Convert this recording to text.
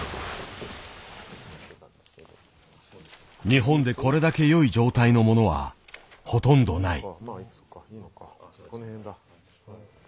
日本でこれだけよい状態のものはほとんどない。